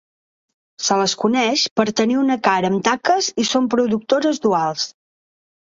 Se les coneix per tenir una cara amb taques i són productores duals.